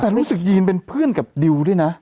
แต่รู้สึกยีนเป็นเพื่อนกับดิวด้วยนะ